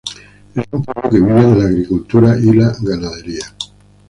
Es un pueblo que vive de la agricultura y la ganadería.